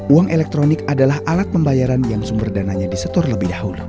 uang elektronik adalah alat pembayaran yang sumber dananya disetor lebih dahulu